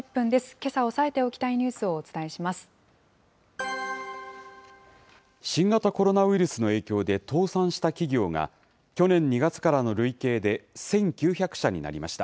けさおさえておきたいニュースを新型コロナウイルスの影響で、倒産した企業が去年２月からの累計で１９００社になりました。